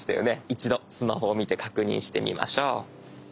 一度スマホを見て確認してみましょう。